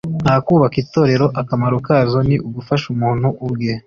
nta kubaka itorero akamaro kazo ni ugufasha umuntu ubwe